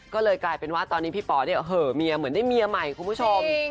ก็เลยกลายเป็นว่าตอนนี้พี่ป๋อเหมือนได้เมียใหม่คุณผู้ชม